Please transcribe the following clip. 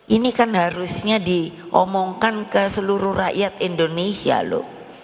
ini kan harusnya diomongkan ke seluruh rakyat indonesia loh